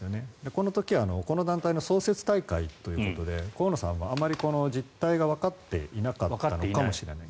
この時はこの団体の創設大会ということで河野さんはあまり実態がわかっていなかったのかもしれない。